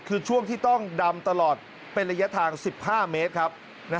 คือช่วงที่ต้องดำตลอดเป็นระยะทาง๑๕เมตรครับ